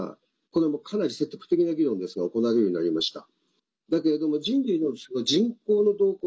これ、かなり積極的な議論ですが行われるようになりました。